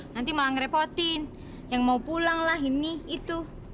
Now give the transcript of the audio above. nanti malah ngerepotin yang mau pulang lah ini itu